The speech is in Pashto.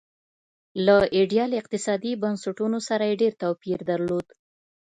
له ایډیال اقتصادي بنسټونو سره یې ډېر توپیر درلود.